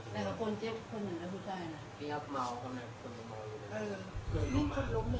มีออกเมาข้างในคนมีเมาอยู่ด้วย